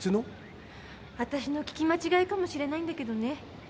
私の聞き間違いかもしれないんだけどね。